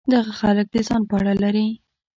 دغه خلک د ځان په اړه لري.